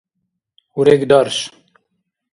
урегдарш